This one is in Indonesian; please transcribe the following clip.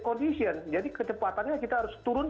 kondisi ke condi kondisi khay kondisi karyaan